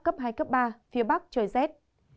tây bắc cấp hai cấp ba phía bắc trời rét